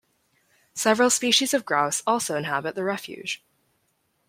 Several species of grouse also inhabit the refuge.